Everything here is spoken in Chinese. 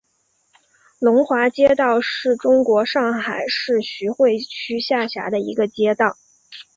龙华街道是中国上海市徐汇区下辖的一个街道。